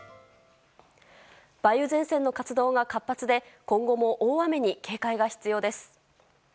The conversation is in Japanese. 梅雨前線の活動が活発で今後も大雨に警戒が必要です。